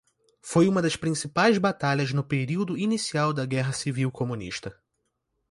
Foi uma das principais batalhas no período inicial da guerra civil comunista.